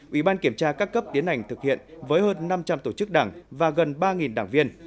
ủy ban kiểm tra các cấp tiến hành thực hiện với hơn năm trăm linh tổ chức đảng và gần ba đảng viên